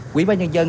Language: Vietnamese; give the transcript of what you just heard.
quỹ ba nhân dân